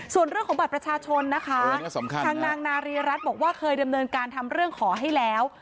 ส่วนเรื่องของบัตรประชาชนนะคะทางนางนารีรัฐบอกว่าเคยดำเนินการทำเรื่องขอให้แล้ว